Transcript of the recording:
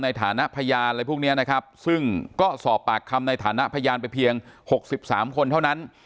ในฐานะพยานอะไรพวกนี้นะครับซึ่งก็สอบปากคำในฐานะพยานไปเพียง๖๓คนเท่านั้น